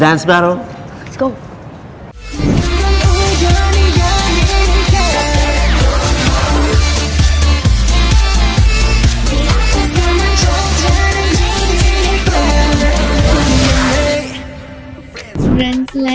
นั่นคำถามช่วย